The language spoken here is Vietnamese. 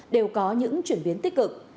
đều có những chuyển biến tích cực